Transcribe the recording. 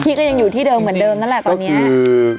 พี่ก็ยังอยู่ที่เดิมเหมือนเดิมนั่นแหละตอนเนี้ยจริงจริงจริง